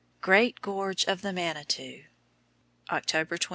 GREAT GORGE OF THE MANITOU, October 29.